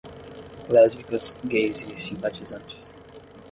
Lésbicas, gays e simpatizantes